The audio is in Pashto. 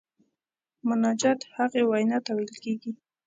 مناجات هغې وینا ته ویل کیږي.